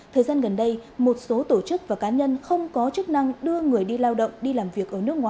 thời gian gần đây một số tổ chức và cá nhân không có chức năng đưa người đi lao động đi làm việc